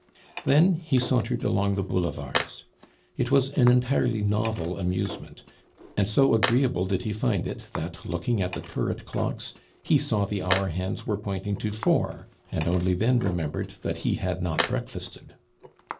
Then he sauntered along the boulevards. It was an entirely novel amusement; and so agreeable did he find it, that, looking at the turret clocks, he saw the hour hands were pointing to four, and only then remembered that he had not breakfasted.